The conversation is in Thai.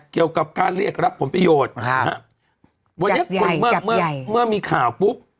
เกี่ยวกับการเรียกรับผลประโยชน์วันนี้คุณเมื่อเมื่อมีข่าวปุ๊บ